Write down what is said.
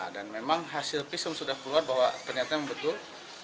dan memang hasil pism sudah keluar bahwa ternyata betul